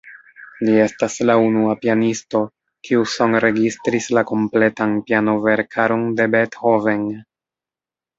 Li estas la unua pianisto, kiu sonregistris la kompletan piano-verkaron de Beethoven.